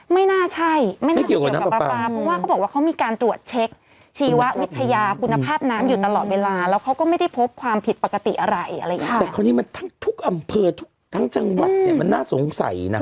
ไม่น่าใช่ไม่เกี่ยวกับน้ำป๊าป๊า